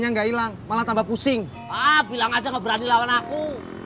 nggak hilang malah tambah pusing ah bilang aja gak berani lawan aku